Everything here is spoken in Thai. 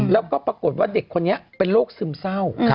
แล้วก็ปรากฏว่าเด็กคนนี้เป็นโรคซึมเศร้า